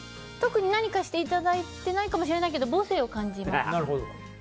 特に何かしていただいてないかもしれないけど母性を感じます。